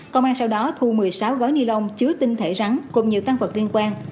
công an sau đó thu một mươi sáu gói ni lông chứa tinh thể rắn cùng nhiều tăng vật liên quan